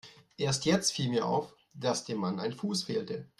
Erst jetzt fiel mir auf, dass dem Mann ein Fuß fehlte.